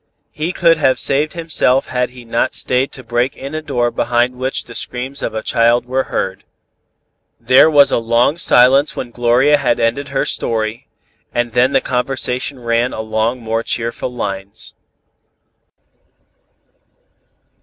He could have saved himself had he not stayed to break in a door behind which the screams of the child were heard." There was a long silence when Gloria had ended her story, and then the conversation ran along more cheerful lines.